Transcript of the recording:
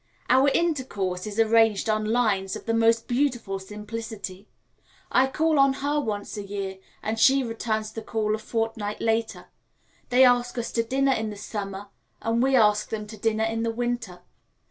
Our intercourse is arranged on lines of the most beautiful simplicity. I call on her once a year, and she returns the call a fortnight later; they ask us to dinner in the summer, and we ask them to dinner in the winter.